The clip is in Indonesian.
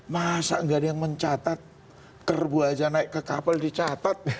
masa nggak ada yang mencatat kerbu aja naik ke kapal dicatat